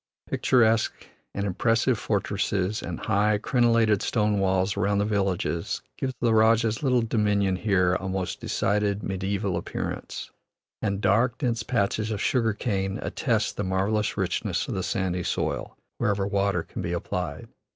Picturesque and impressive fortresses, and high, crenellated stone walls around the villages give the rajah's little dominion here a most decided mediaeval appearance, and dark, dense patches of sugar cane attest the marvellous richness of the sandy soil, wherever water can be applied.